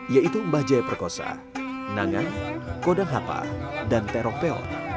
yaitu mbah jaya perkosa nangan kodang hapa dan teropel